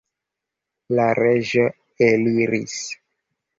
La reĝo eliris.